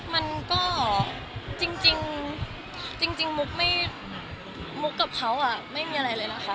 มันก็จริงมุกกับเขาไม่มีอะไรเลยนะคะ